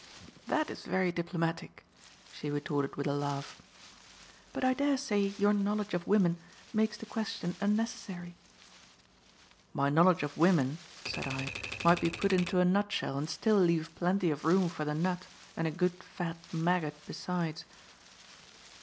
"That is very diplomatic," she retorted with a laugh. "But I daresay your knowledge of women makes the question unnecessary." "My knowledge of women," said I, "might be put into a nutshell and still leave plenty of room for the nut and a good, fat maggot besides."